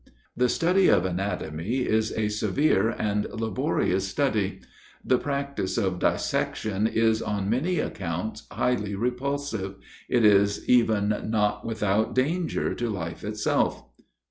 The study of anatomy is a severe and laborious study; the practice of dissection is on many accounts highly repulsive: it is even not without danger to life itself.